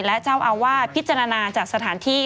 และเจ้าอาวาสพิจารณาจากสถานที่